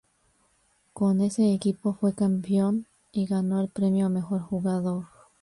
Con ese equipo, fue campeón y ganó el premio a mejor jugador.